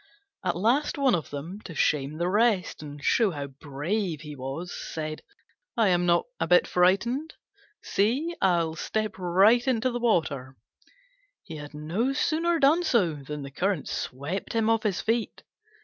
At last one of them, to shame the rest, and show how brave he was, said, "I am not a bit frightened! See, I'll step right into the water!" He had no sooner done so than the current swept him off his feet.